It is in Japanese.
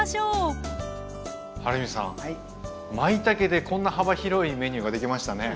まいたけでこんな幅広いメニューができましたね。